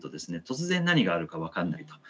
突然何があるか分かんないと。